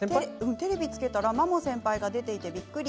テレビをつけたらマモ先輩が出ていてびっくり。